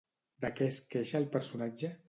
De què es queixa el personatge?